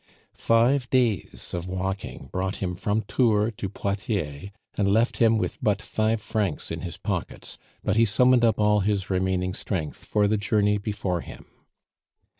Five days of walking brought him from Tours to Poitiers, and left him with but five francs in his pockets, but he summoned up all his remaining strength for the journey before him.